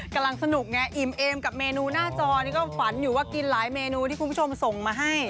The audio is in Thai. กำลังสนุกไงอิ่มเอมกับเมนูหน้าจอนี่ก็ฝันอยู่ว่ากินหลายเมนูที่คุณผู้ชมส่งมาให้